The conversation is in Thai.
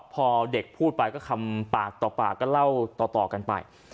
พอเด็กพูดไปก็คำปากต่อปากก็เล่าต่อกันไป